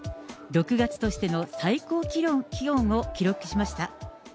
６月としての最高気温を記録しました。